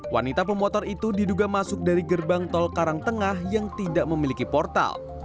wanita pemotor itu diduga masuk dari gerbang tol karangtengah yang tidak memiliki portal